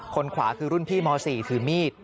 ขวาคือรุ่นพี่ม๔ถือมีด